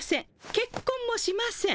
結婚もしません。